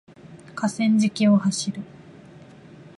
河川敷を走る